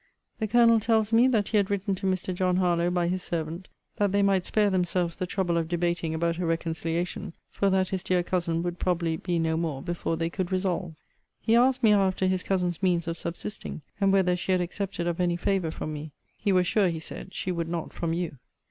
] The Colonel tells me that he had written to Mr. John Harlowe, by his servant, 'That they might spare themselves the trouble of debating about a reconciliation; for that his dear cousin would probably be no more before they could resolve.' He asked me after his cousin's means of subsisting; and whether she had accepted of any favour from me; he was sure, he said, she would not from you.